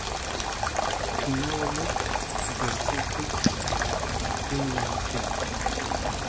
Tnawel-d berkukes i yimensi.